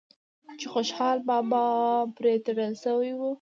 چې خوشحال بابا پرې تړل شوی و